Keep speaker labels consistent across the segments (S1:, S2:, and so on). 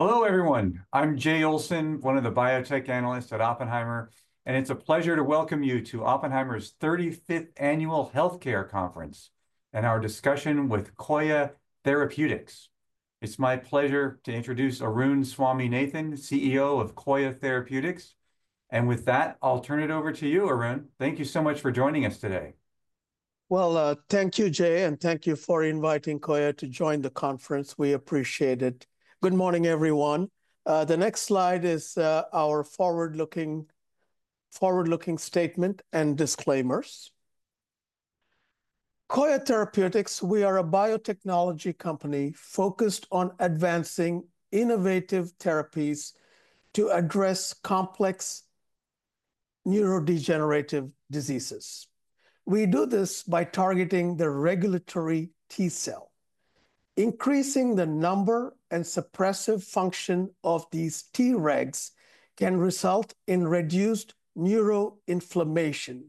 S1: Hello, everyone. I'm Jay Olson, one of the biotech analysts at Oppenheimer, and it's a pleasure to welcome you to Oppenheimer's 35th Annual Healthcare Conference and our discussion with Coya Therapeutics. It's my pleasure to introduce Arun Swaminathan, CEO of Coya Therapeutics. With that, I'll turn it over to you, Arun. Thank you so much for joining us today.
S2: Thank you, Jay, and thank you for inviting Coya to join the conference. We appreciate it. Good morning, everyone. The next slide is our forward-looking statement and disclaimers. Coya Therapeutics, we are a biotechnology company focused on advancing innovative therapies to address complex neurodegenerative diseases. We do this by targeting the regulatory T cell. Increasing the number and suppressive function of these Tregs can result in reduced neuroinflammation.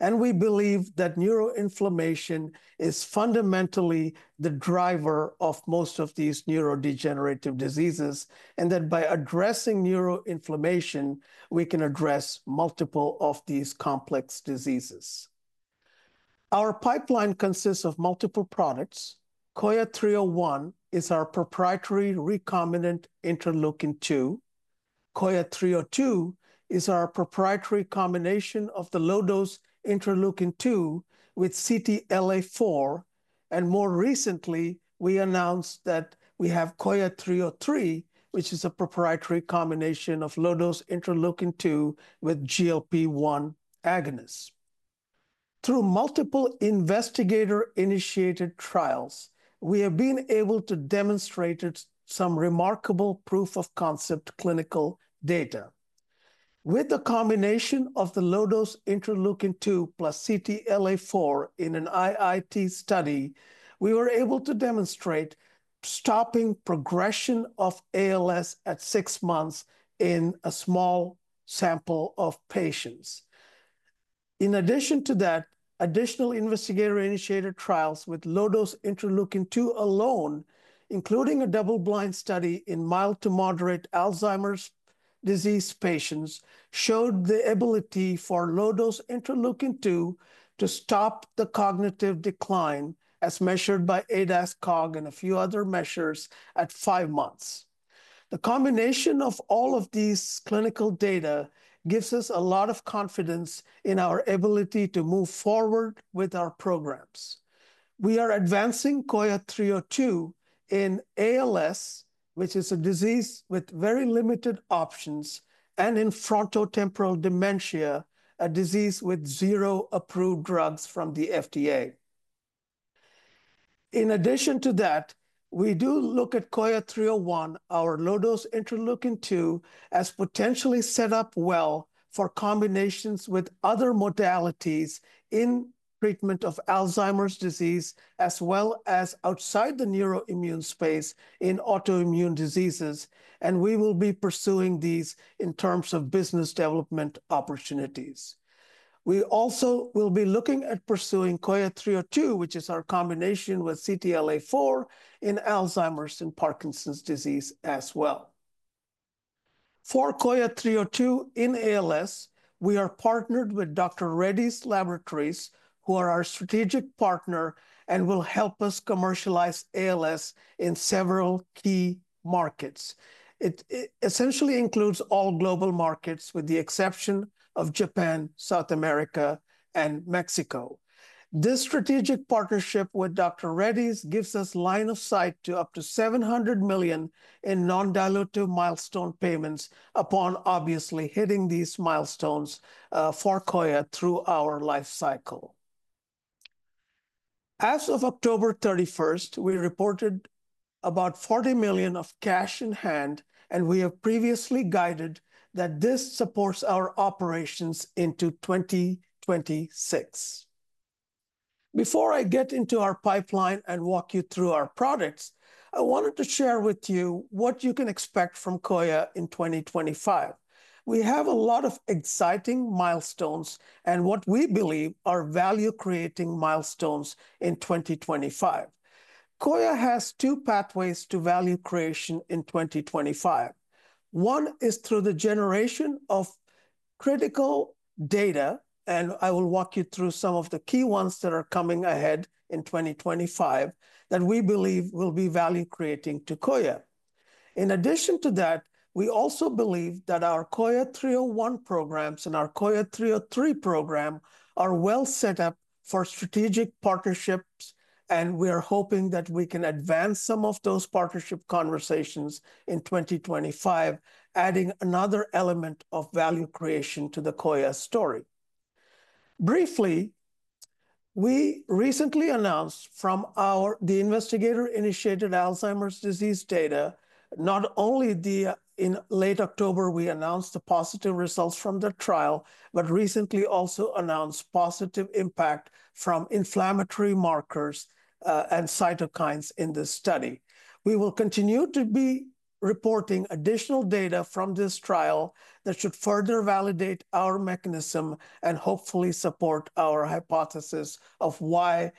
S2: We believe that neuroinflammation is fundamentally the driver of most of these neurodegenerative diseases, and that by addressing neuroinflammation, we can address multiple of these complex diseases. Our pipeline consists of multiple products. COYA 301 is our proprietary recombinant interleukin-2. COYA 302 is our proprietary combination of the low-dose interleukin-2 with CTLA4. More recently, we announced that we have COYA 303, which is a proprietary combination of low-dose interleukin-2 with GLP-1 agonist. Through multiple investigator-initiated trials, we have been able to demonstrate some remarkable proof-of-concept clinical data. With the combination of the low-dose interleukin-2 plus CTLA4 in an IIT study, we were able to demonstrate stopping progression of ALS at six months in a small sample of patients. In addition to that, additional investigator-initiated trials with low-dose interleukin-2 alone, including a double-blind study in mild to moderate Alzheimer's disease patients, showed the ability for low-dose interleukin-2 to stop the cognitive decline, as measured by ADAS-Cog and a few other measures, at five months. The combination of all of these clinical data gives us a lot of confidence in our ability to move forward with our programs. We are advancing COYA 302 in ALS, which is a disease with very limited options, and in frontotemporal dementia, a disease with zero approved drugs from the FDA. In addition to that, we do look at COYA 301, our low-dose interleukin-2, as potentially set up well for combinations with other modalities in treatment of Alzheimer's disease, as well as outside the neuroimmune space in autoimmune diseases. We will be pursuing these in terms of business development opportunities. We also will be looking at pursuing COYA 302, which is our combination with CTLA4 in Alzheimer's and Parkinson's disease as well. For COYA 302 in ALS, we are partnered with Dr. Reddy's Laboratories, who are our strategic partner and will help us commercialize ALS in several key markets. It essentially includes all global markets with the exception of Japan, South America, and Mexico. This strategic partnership with Dr. Reddy's gives us line of sight to up to $700 million in non-dilutive milestone payments upon, obviously, hitting these milestones for Coya through our life cycle. As of October 31st, we reported about $40 million of cash in hand, and we have previously guided that this supports our operations into 2026. Before I get into our pipeline and walk you through our products, I wanted to share with you what you can expect from Coya in 2025. We have a lot of exciting milestones and what we believe are value-creating milestones in 2025. Coya has two pathways to value creation in 2025. One is through the generation of critical data, and I will walk you through some of the key ones that are coming ahead in 2025 that we believe will be value-creating to Coya. In addition to that, we also believe that our COYA 301 programs and our COYA 303 program are well set up for strategic partnerships, and we are hoping that we can advance some of those partnership conversations in 2025, adding another element of value creation to the Coya story. Briefly, we recently announced from our investigator-initiated Alzheimer's disease data, not only in late October we announced the positive results from the trial, but recently also announced positive impact from inflammatory markers and cytokines in this study. We will continue to be reporting additional data from this trial that should further validate our mechanism and hopefully support our hypothesis of why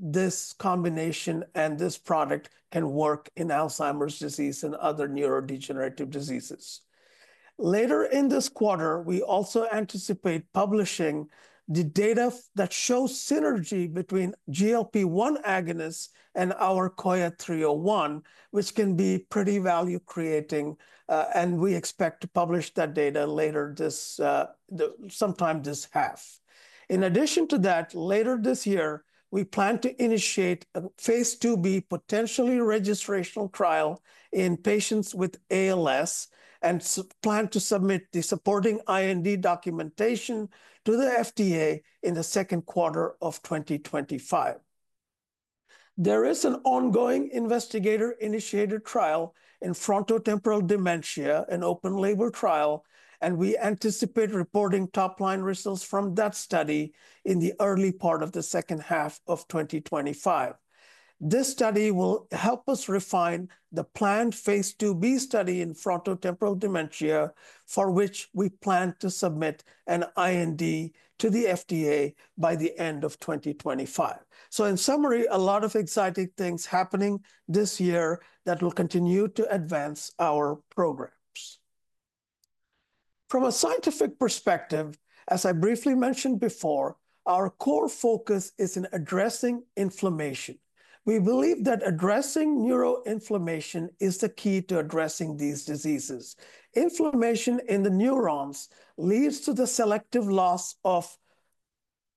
S2: this combination and this product can work in Alzheimer's disease and other neurodegenerative diseases. Later in this quarter, we also anticipate publishing the data that shows synergy between GLP-1 agonists and our COYA 301, which can be pretty value-creating, and we expect to publish that data later this half. In addition to that, later this year, we plan to initiate a phase 2B potentially registrational trial in patients with ALS and plan to submit the supporting IND documentation to the FDA in the second quarter of 2025. There is an ongoing investigator-initiated trial in frontotemporal dementia, an open-label trial, and we anticipate reporting top-line results from that study in the early part of the second half of 2025. This study will help us refine the planned phase 2B study in frontotemporal dementia, for which we plan to submit an IND to the FDA by the end of 2025. In summary, a lot of exciting things happening this year that will continue to advance our programs. From a scientific perspective, as I briefly mentioned before, our core focus is in addressing inflammation. We believe that addressing neuroinflammation is the key to addressing these diseases. Inflammation in the neurons leads to the selective loss of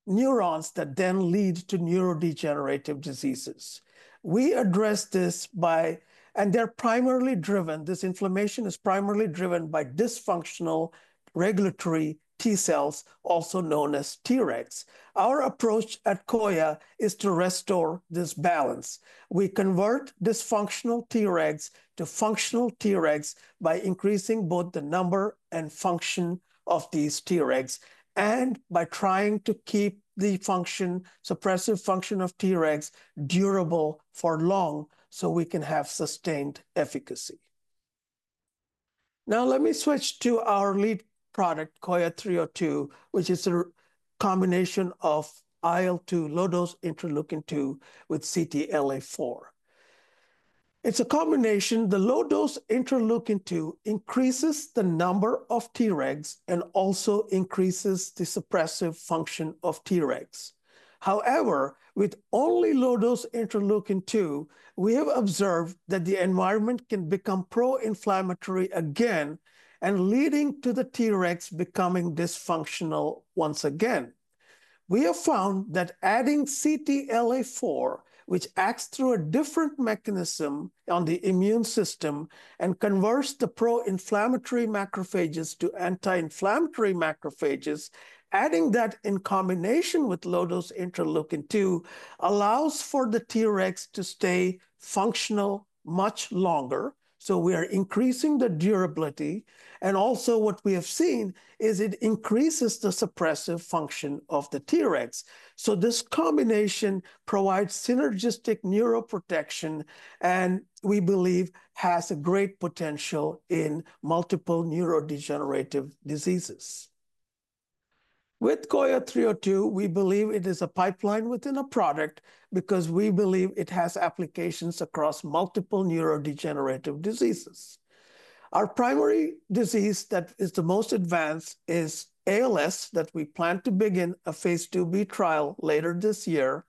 S2: neurons that then lead to neurodegenerative diseases. We address this by, and they're primarily driven, this inflammation is primarily driven by dysfunctional regulatory T cells, also known as Tregs. Our approach at Coya is to restore this balance. We convert dysfunctional Tregs to functional Tregs by increasing both the number and function of these Tregs and by trying to keep the function, suppressive function of Tregs durable for long so we can have sustained efficacy. Now, let me switch to our lead product, COYA 302, which is a combination of IL-2 low-dose interleukin-2 with CTLA4. It's a combination. The low-dose interleukin-2 increases the number of Tregs and also increases the suppressive function of Tregs. However, with only low-dose interleukin-2, we have observed that the environment can become pro-inflammatory again and leading to the Tregs becoming dysfunctional once again. We have found that adding CTLA4, which acts through a different mechanism on the immune system and converts the pro-inflammatory macrophages to anti-inflammatory macrophages, adding that in combination with low-dose interleukin-2 allows for the Tregs to stay functional much longer. We are increasing the durability. Also, what we have seen is it increases the suppressive function of the Tregs. This combination provides synergistic neuroprotection and we believe has a great potential in multiple neurodegenerative diseases. With COYA 302, we believe it is a pipeline within a product because we believe it has applications across multiple neurodegenerative diseases. Our primary disease that is the most advanced is ALS that we plan to begin a phase 2B trial later this year.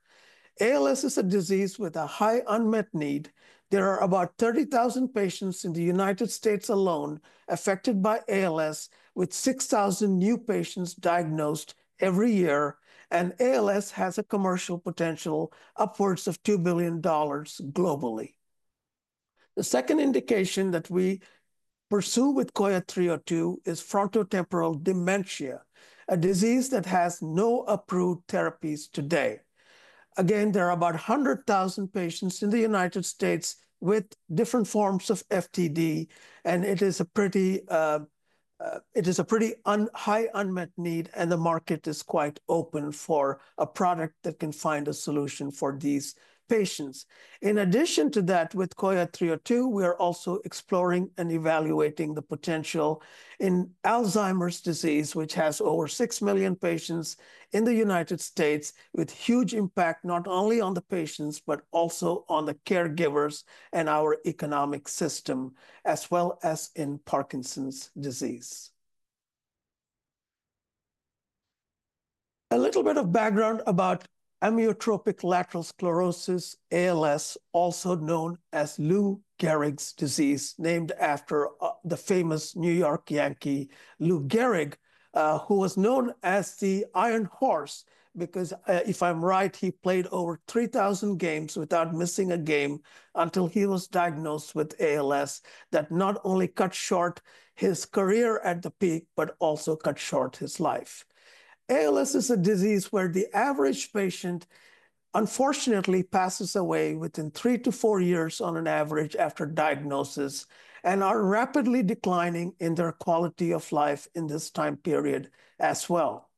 S2: ALS is a disease with a high unmet need. There are about 30,000 patients in the U.S. alone affected by ALS, with 6,000 new patients diagnosed every year. ALS has a commercial potential upwards of $2 billion globally. The second indication that we pursue with COYA 302 is frontotemporal dementia, a disease that has no approved therapies today. Again, there are about 100,000 patients in the U.S. with different forms of FTD, and it is a pretty high unmet need, and the market is quite open for a product that can find a solution for these patients. In addition to that, with COYA 302, we are also exploring and evaluating the potential in Alzheimer's disease, which has over 6 million patients in the United States, with huge impact not only on the patients, but also on the caregivers and our economic system, as well as in Parkinson's disease. A little bit of background about amyotrophic lateral sclerosis, ALS, also known as Lou Gehrig's disease, named after the famous New York Yankee, Lou Gehrig, who was known as the Iron Horse because if I'm right, he played over 3,000 games without missing a game until he was diagnosed with ALS that not only cut short his career at the peak, but also cut short his life. ALS is a disease where the average patient unfortunately passes away within three to four years on average after diagnosis and are rapidly declining in their quality of life in this time period as well.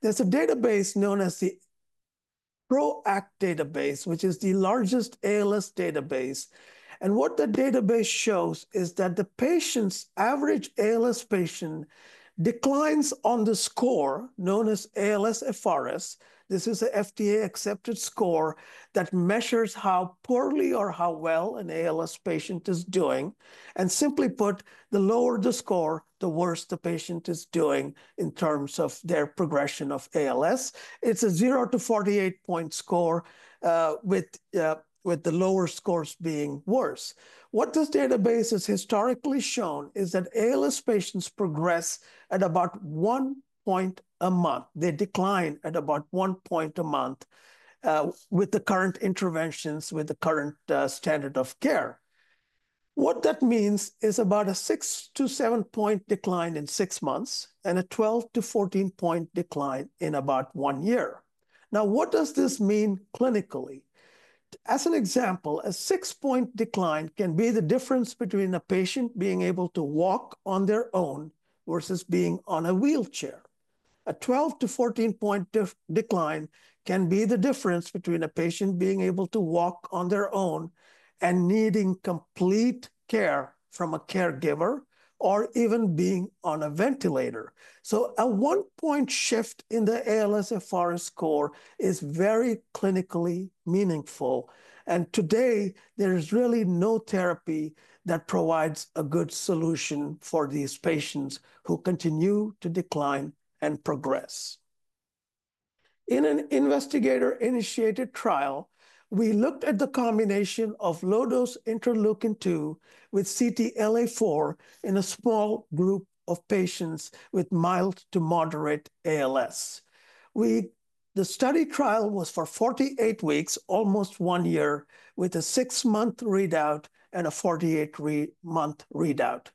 S2: There is a database known as the PRO-ACT Database, which is the largest ALS database. What the database shows is that the average ALS patient declines on the score known as ALSFRS. This is an FDA-accepted score that measures how poorly or how well an ALS patient is doing. Simply put, the lower the score, the worse the patient is doing in terms of their progression of ALS. It is a zero to 48-point score with the lower scores being worse. What this database has historically shown is that ALS patients progress at about one point a month. They decline at about one point a month with the current interventions, with the current standard of care. What that means is about a six- to seven-point decline in six months and a 12-14 point decline in about one year. Now, what does this mean clinically? As an example, a six-point decline can be the difference between a patient being able to walk on their own versus being on a wheelchair. A 12-14 point decline can be the difference between a patient being able to walk on their own and needing complete care from a caregiver or even being on a ventilator. A one-point shift in the ALSFRS score is very clinically meaningful. Today, there is really no therapy that provides a good solution for these patients who continue to decline and progress. In an investigator-initiated trial, we looked at the combination of low-dose interleukin-2 with CTLA4 in a small group of patients with mild to moderate ALS. The study trial was for 48 weeks, almost one year, with a six-month readout and a 48-week readout.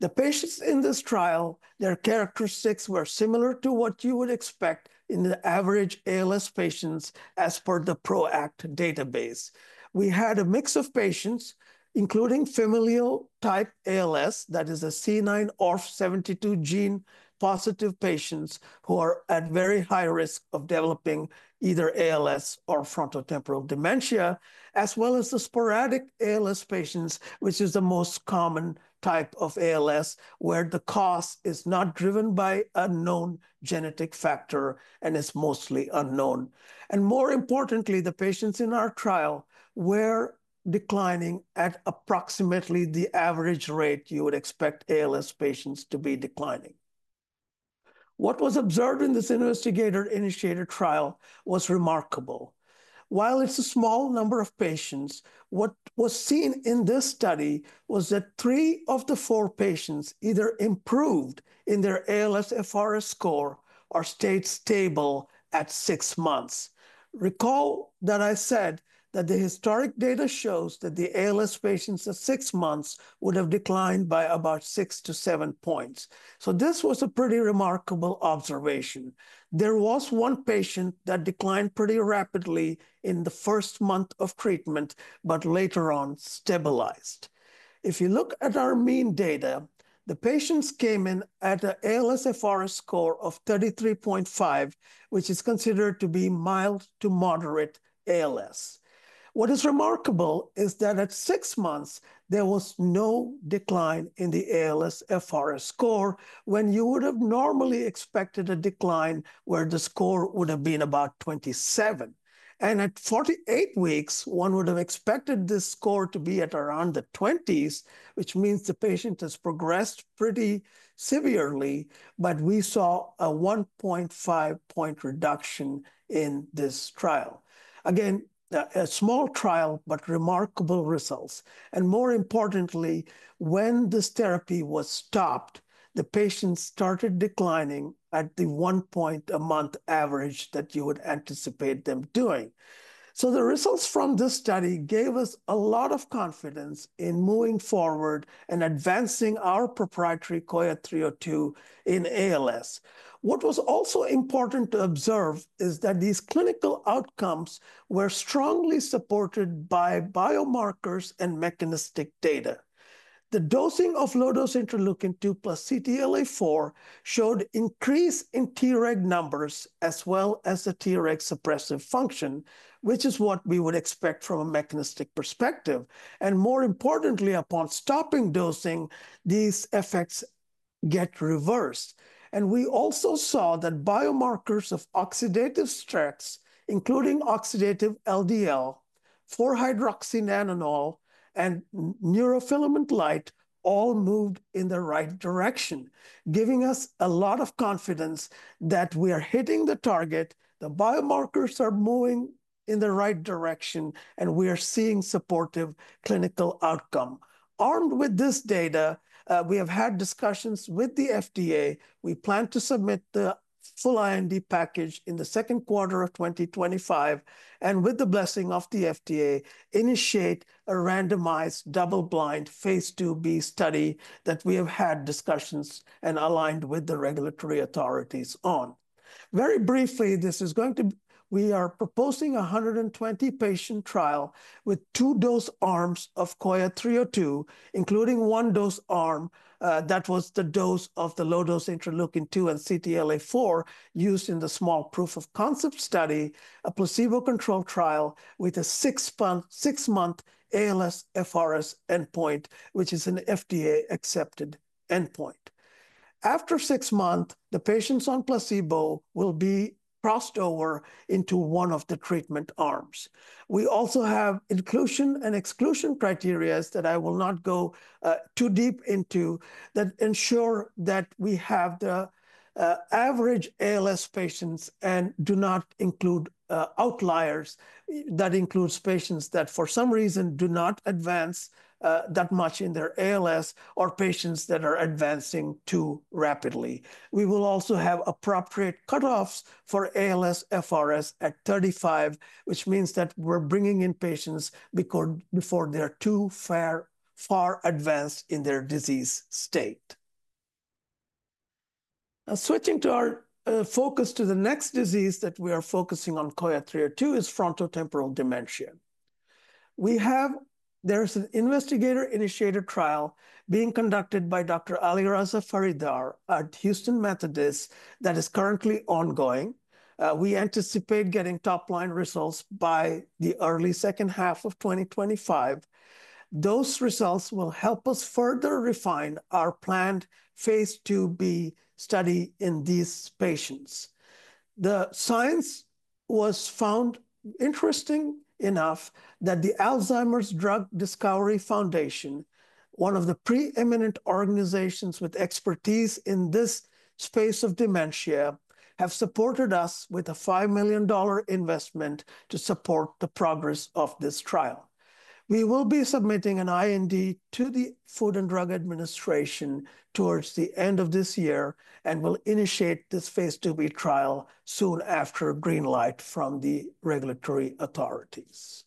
S2: The patients in this trial, their characteristics were similar to what you would expect in the average ALS patients as per the PRO-ACT Database. We had a mix of patients, including familial type ALS, that is, C9orf72 gene positive patients who are at very high risk of developing either ALS or frontotemporal dementia, as well as the sporadic ALS patients, which is the most common type of ALS where the cause is not driven by a known genetic factor and is mostly unknown. More importantly, the patients in our trial were declining at approximately the average rate you would expect ALS patients to be declining. What was observed in this investigator-initiated trial was remarkable. While it's a small number of patients, what was seen in this study was that three of the four patients either improved in their ALSFRS score or stayed stable at six months. Recall that I said that the historic data shows that the ALS patients at six months would have declined by about six to seven points. This was a pretty remarkable observation. There was one patient that declined pretty rapidly in the first month of treatment, but later on stabilized. If you look at our mean data, the patients came in at an ALSFRS score of 33.5, which is considered to be mild to moderate ALS. What is remarkable is that at six months, there was no decline in the ALSFRS score when you would have normally expected a decline where the score would have been about 27. At 48 weeks, one would have expected this score to be at around the 20s, which means the patient has progressed pretty severely, but we saw a 1.5-point reduction in this trial. Again, a small trial, but remarkable results. More importantly, when this therapy was stopped, the patients started declining at the one-point-a-month average that you would anticipate them doing. The results from this study gave us a lot of confidence in moving forward and advancing our proprietary COYA 302 in ALS. What was also important to observe is that these clinical outcomes were strongly supported by biomarkers and mechanistic data. The dosing of low-dose interleukin-2 plus CTLA4 showed increase in Treg numbers as well as the Treg suppressive function, which is what we would expect from a mechanistic perspective. More importantly, upon stopping dosing, these effects get reversed. We also saw that biomarkers of oxidative stress, including oxidative LDL, 4-hydroxynonenal, and neurofilament light all moved in the right direction, giving us a lot of confidence that we are hitting the target, the biomarkers are moving in the right direction, and we are seeing supportive clinical outcome. Armed with this data, we have had discussions with the FDA. We plan to submit the full IND package in the second quarter of 2025 and, with the blessing of the FDA, initiate a randomized double-blind phase 2B study that we have had discussions and aligned with the regulatory authorities on. Very briefly, this is going to be we are proposing a 120-patient trial with two-dose arms of COYA 302, including one-dose arm that was the dose of the low-dose interleukin-2 and CTLA4 used in the small proof of concept study, a placebo-controlled trial with a six-month ALSFRS endpoint, which is an FDA-accepted endpoint. After six months, the patients on placebo will be crossed over into one of the treatment arms. We also have inclusion and exclusion criteria that I will not go too deep into that ensure that we have the average ALS patients and do not include outliers that includes patients that for some reason do not advance that much in their ALS or patients that are advancing too rapidly. We will also have appropriate cutoffs for ALSFRS at 35, which means that we're bringing in patients before they're too far advanced in their disease state. Now, switching our focus to the next disease that we are focusing on, COYA 302 is frontotemporal dementia. There's an investigator-initiated trial being conducted by Dr. Alireza Faridar at Houston Methodist that is currently ongoing. We anticipate getting top-line results by the early second half of 2025. Those results will help us further refine our planned phase 2B study in these patients. The science was found interesting enough that the Alzheimer's Drug Discovery Foundation, one of the preeminent organizations with expertise in this space of dementia, has supported us with a $5 million investment to support the progress of this trial. We will be submitting an IND to the Food and Drug Administration towards the end of this year and will initiate this phase 2B trial soon after green light from the regulatory authorities.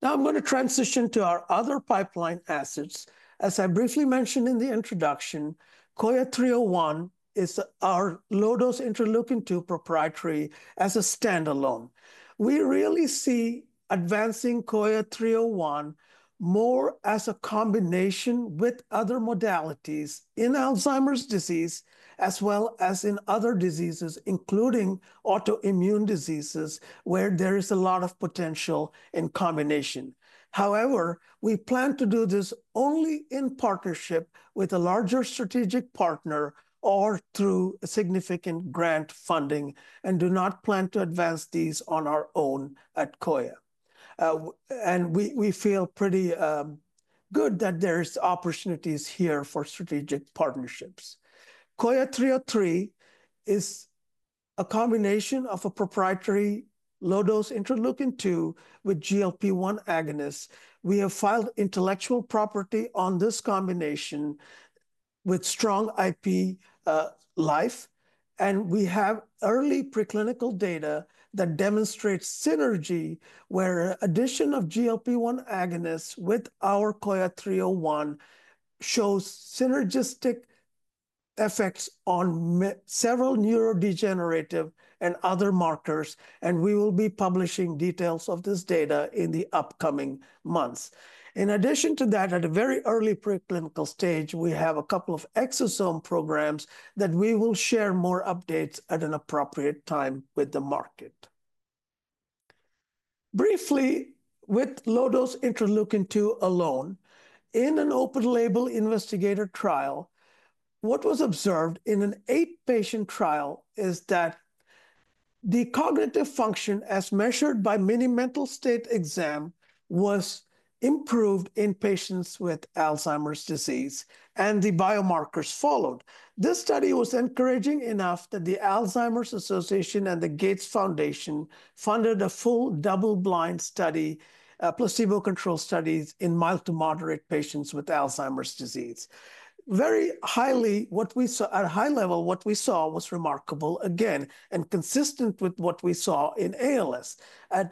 S2: Now, I'm going to transition to our other pipeline assets. As I briefly mentioned in the introduction, COYA 301 is our low-dose interleukin-2 proprietary as a standalone. We really see advancing COYA 301 more as a combination with other modalities in Alzheimer's disease as well as in other diseases, including autoimmune diseases, where there is a lot of potential in combination. However, we plan to do this only in partnership with a larger strategic partner or through significant grant funding and do not plan to advance these on our own at Coya. We feel pretty good that there are opportunities here for strategic partnerships. COYA 303 is a combination of a proprietary low-dose interleukin-2 with GLP-1 agonist. We have filed intellectual property on this combination with strong IP life, and we have early preclinical data that demonstrates synergy where addition of GLP-1 agonist with our COYA 301 shows synergistic effects on several neurodegenerative and other markers, and we will be publishing details of this data in the upcoming months. In addition to that, at a very early preclinical stage, we have a couple of exosome programs that we will share more updates at an appropriate time with the market. Briefly, with low-dose interleukin-2 alone, in an open-label investigator trial, what was observed in an eight-patient trial is that the cognitive function, as measured by Mini-Mental State Exam, was improved in patients with Alzheimer's disease, and the biomarkers followed. This study was encouraging enough that the Alzheimer's Association and the Gates Foundation funded a full double-blind study, placebo-controlled studies in mild to moderate patients with Alzheimer's disease. Very highly, what we saw at a high level, what we saw was remarkable again and consistent with what we saw in ALS.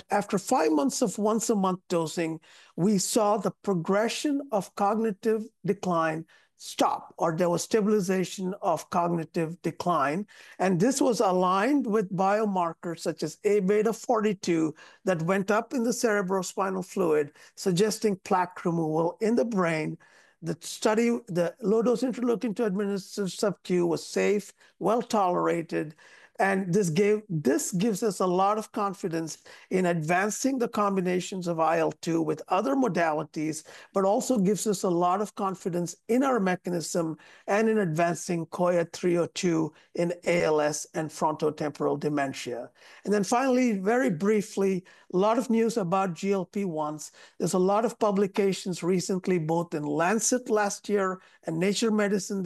S2: After five months of once-a-month dosing, we saw the progression of cognitive decline stop or there was stabilization of cognitive decline. This was aligned with biomarkers such as Abeta42 that went up in the cerebrospinal fluid, suggesting plaque removal in the brain. The study, the low-dose interleukin-2 administered subQ, was safe, well tolerated, and this gives us a lot of confidence in advancing the combinations of IL-2 with other modalities, but also gives us a lot of confidence in our mechanism and in advancing COYA 302 in ALS and frontotemporal dementia. Finally, very briefly, a lot of news about GLP-1s. are a lot of publications recently, both in Lancet last year and Nature Medicine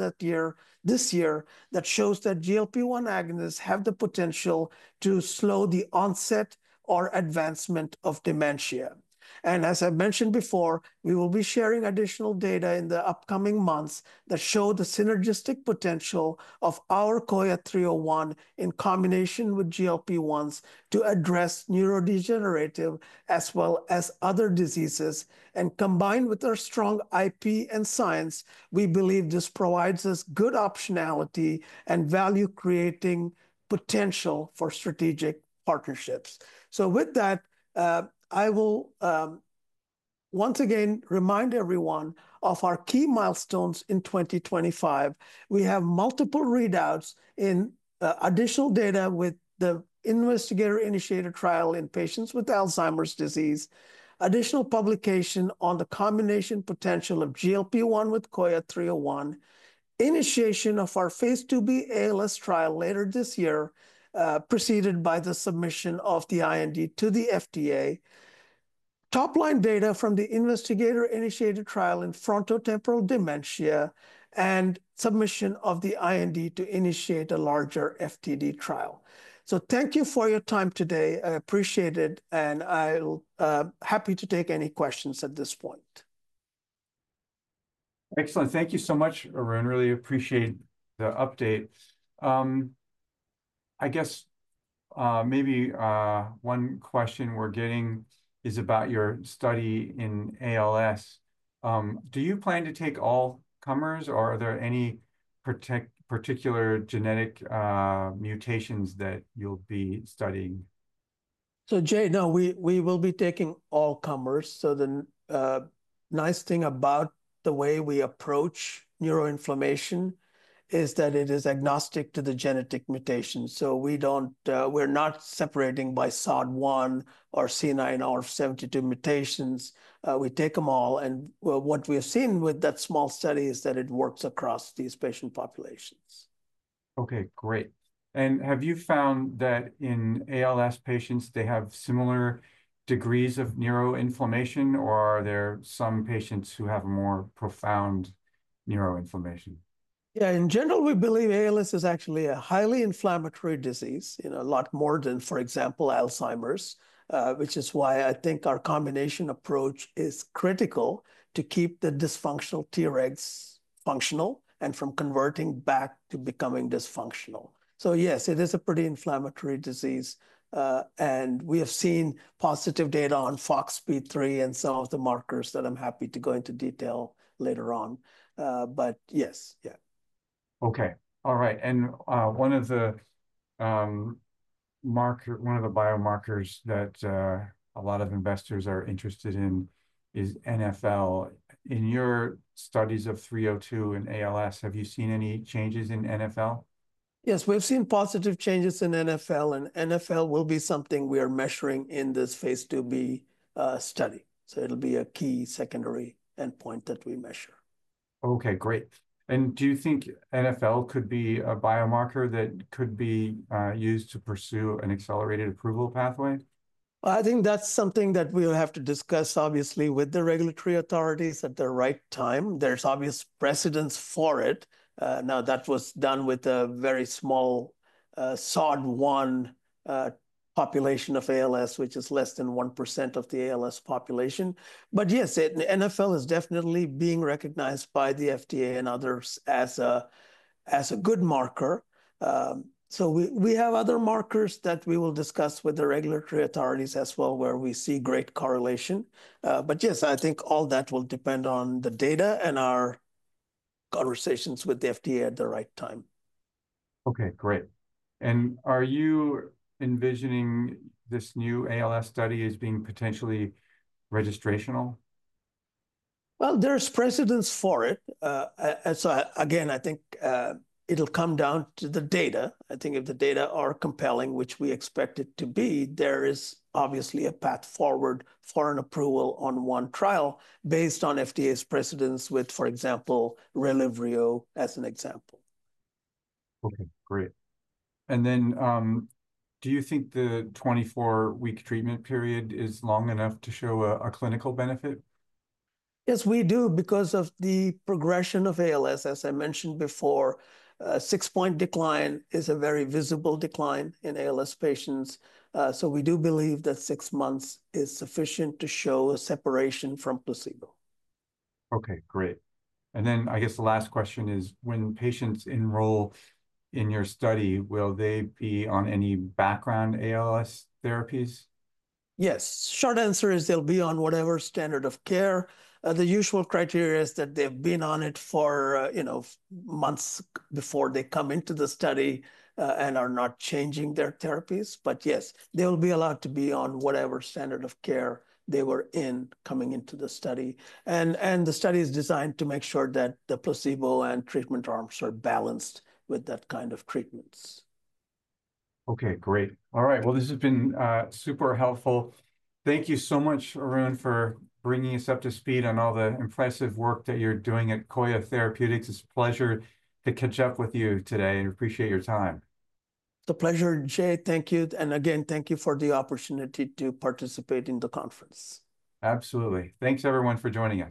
S2: this year, that show that GLP-1 agonists have the potential to slow the onset or advancement of dementia. As I mentioned before, we will be sharing additional data in the upcoming months that show the synergistic potential of our COYA 301 in combination with GLP-1s to address neurodegenerative as well as other diseases. Combined with our strong IP and science, we believe this provides us good optionality and value-creating potential for strategic partnerships. I will once again remind everyone of our key milestones in 2025. We have multiple readouts in additional data with the investigator-initiated trial in patients with Alzheimer's disease, additional publication on the combination potential of GLP-1 with COYA 301, initiation of our phase 2B ALS trial later this year, preceded by the submission of the IND to the FDA, top-line data from the investigator-initiated trial in frontotemporal dementia, and submission of the IND to initiate a larger FTD trial. Thank you for your time today. I appreciate it, and I'm happy to take any questions at this point.
S3: Excellent. Thank you so much, Arun. Really appreciate the update. I guess maybe one question we're getting is about your study in ALS. Do you plan to take all comers, or are there any particular genetic mutations that you'll be studying?
S2: Jay, no, we will be taking all comers. The nice thing about the way we approach neuroinflammation is that it is agnostic to the genetic mutation. We are not separating by SOD1 or C9orf72 mutations. We take them all. What we have seen with that small study is that it works across these patient populations.
S3: Okay, great. Have you found that in ALS patients, they have similar degrees of neuroinflammation, or are there some patients who have more profound neuroinflammation?
S2: Yeah, in general, we believe ALS is actually a highly inflammatory disease, a lot more than, for example, Alzheimer's, which is why I think our combination approach is critical to keep the dysfunctional Tregs functional and from converting back to becoming dysfunctional. Yes, it is a pretty inflammatory disease. We have seen positive data on FOXP3 and some of the markers that I am happy to go into detail later on.
S1: Yes, okay. All right. One of the biomarkers that a lot of investors are interested in is NfL. In your studies of 302 and ALS, have you seen any changes in NfL?
S2: Yes, we've seen positive changes in NfL, and NfL will be something we are measuring in this phase 2B study. It will be a key secondary endpoint that we measure.
S1: Okay, great. Do you think NfL could be a biomarker that could be used to pursue an accelerated approval pathway?
S2: I think that's something that we'll have to discuss, obviously, with the regulatory authorities at the right time. There's obvious precedence for it. That was done with a very small SOD1 population of ALS, which is less than 1% of the ALS population. Yes, NfL is definitely being recognized by the FDA and others as a good marker. We have other markers that we will discuss with the regulatory authorities as well, where we see great correlation. Yes, I think all that will depend on the data and our conversations with the FDA at the right time.
S1: Okay, great. Are you envisioning this new ALS study as being potentially registrational?
S2: There is precedence for it. I think it will come down to the data. I think if the data are compelling, which we expect it to be, there is obviously a path forward for an approval on one trial based on FDA's precedence with, for example, Relyvrio as an example.
S1: Okay, great. Do you think the 24-week treatment period is long enough to show a clinical benefit?
S2: Yes, we do because of the progression of ALS, as I mentioned before. Six-point decline is a very visible decline in ALS patients. We do believe that six months is sufficient to show a separation from placebo.
S1: Okay, great. I guess the last question is, when patients enroll in your study, will they be on any background ALS therapies?
S2: Yes. Short answer is they'll be on whatever standard of care. The usual criteria is that they've been on it for months before they come into the study and are not changing their therapies. Yes, they will be allowed to be on whatever standard of care they were in coming into the study. The study is designed to make sure that the placebo and treatment arms are balanced with that kind of treatments.
S3: Okay, great. All right. This has been super helpful. Thank you so much, Arun, for bringing us up to speed on all the impressive work that you're doing at Coya Therapeutics. It's a pleasure to catch up with you today. I appreciate your time.
S2: The pleasure, Jay. Thank you. Thank you for the opportunity to participate in the conference.
S3: Absolutely. Thanks, everyone, for joining us.